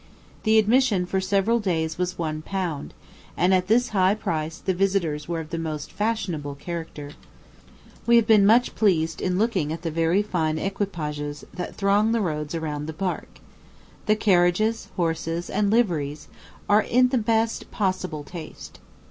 The admission for several days was one pound, and at this high price the visitors were of the most fashionable character. We have been much pleased in looking at the very fine equipages that throng the roads around the park. The carriages, horses, end liveries are in the best possible taste.